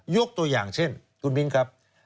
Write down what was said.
ยกตัวอย่างเช่นคุณมิ้นครับ